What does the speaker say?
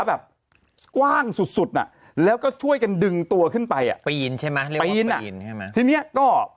แบบกว้างสุดสุดอ่ะแล้วก็ช่วยกันดึงตัวขึ้นไปอ่ะปีนใช่ไหมปีนอ่ะปีนใช่ไหมทีเนี้ยก็